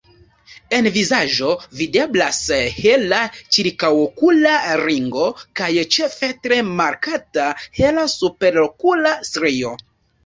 En vizaĝo videblas hela ĉirkaŭokula ringo kaj ĉefe tre markata hela superokula strio.